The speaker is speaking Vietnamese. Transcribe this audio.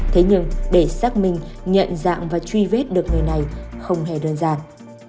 thế nhưng để xác minh nhận dạng và truy vết được người này không hề đơn giản